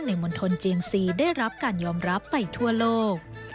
มณฑลเจียงซีได้รับการยอมรับไปทั่วโลก